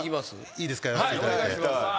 いいですかやらせていただいて。